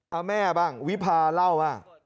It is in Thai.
เอาแม่บ้างวิพาเล่าว่า